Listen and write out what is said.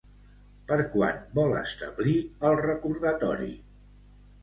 Per quan vol establir el recordatori?